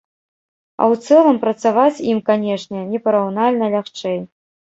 А ў цэлым працаваць ім, канечне, непараўнальна лягчэй.